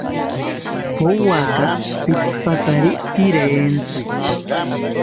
Powaka pitzipatari pirentzi